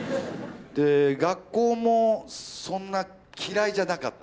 で学校もそんな嫌いじゃなかった。